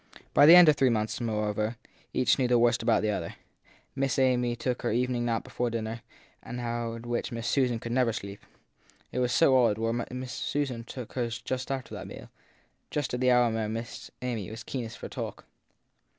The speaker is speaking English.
By the end of three months, moreover, each knew the worst about the other. Miss Amy took her evening nap before dinner, an hour at which Miss Susan could never sleep it was so odd; whereby Miss Susan took hers after that meal, just at the hour when Miss Amy was keenest for talk.